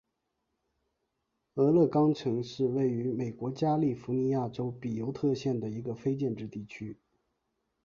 俄勒冈城是位于美国加利福尼亚州比尤特县的一个非建制地区。